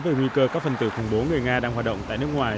về nguy cơ các phần tử khủng bố người nga đang hoạt động tại nước ngoài